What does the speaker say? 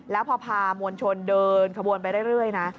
แล้วพอพามวลชนเดินขบวนไปเรื่อยนะ